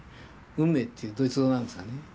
運命っていうドイツ語なんですがね。